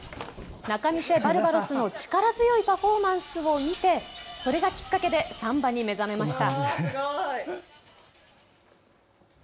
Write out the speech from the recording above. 仲見世バルバロスの力強いパフォーマンスを見て、それがきっかけでサンバに目覚めました。